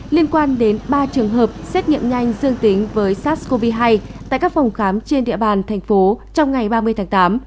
liên quan đến ba trường hợp xét nghiệm nhanh dương tính với sars cov hai tại các phòng khám trên địa bàn thành phố trong ngày ba mươi tháng tám